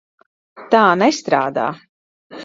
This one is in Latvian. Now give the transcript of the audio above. Tā nestrādā.